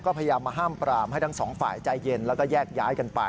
ก็พยายามมาห้ามปรามให้ทั้งสองฝ่ายใจเย็นแล้วก็แยกย้ายกันไป